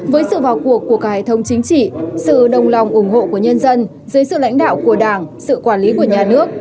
với sự vào cuộc của cả hệ thống chính trị sự đồng lòng ủng hộ của nhân dân dưới sự lãnh đạo của đảng sự quản lý của nhà nước